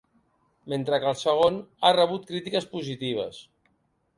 Mentre que el segon, ha rebut crítiques positives.